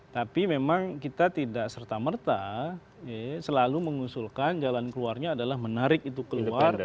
tapi memang kita tidak serta merta selalu mengusulkan jalan keluarnya adalah menarik itu keluar